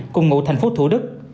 cùng ngủ thành phố thủ đức